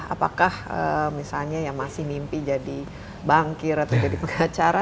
apakah misalnya masih mimpi jadi bankir atau jadi pengacara